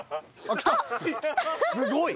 すごい。